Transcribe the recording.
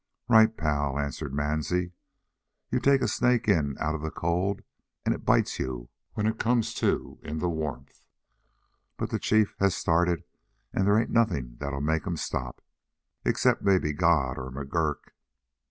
"Right, pal," answered Mansie. "You take a snake in out of the cold, and it bites you when it comes to in the warmth; but the chief has started, and there ain't nothing that'll make him stop, except maybe God or McGurk."